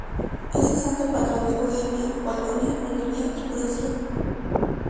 Es el santo patrón de Bohemia, Polonia, Hungría y Prusia.